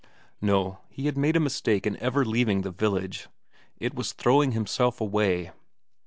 No, he had made a mistake in ever leaving the village; it was throwing himself away.